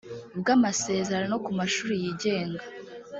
bw amasezerano no ku mashuri yigenga